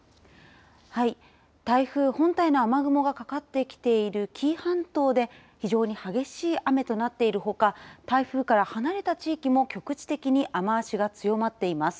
台風本体の雨雲がかかってきている紀伊半島で非常に激しい雨となっているほか台風から離れた地域も局地的に雨足が強まっています。